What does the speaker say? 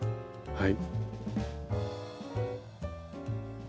はい。